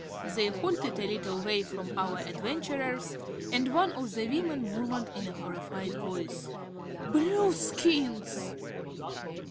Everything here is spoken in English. They halted a little way from our adventurers and one of the women muttered in a horrified voice: "Blueskins!"